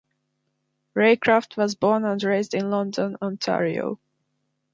Reycraft was born and raised in London, Ontario.